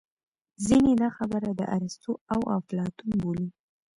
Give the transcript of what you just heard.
ځینې دا خبره د ارستو او اپلاتون بولي